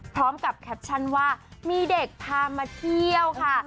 พร้อมกับแคปชั่นว่ามีเด็กพามาเที่ยวค่ะ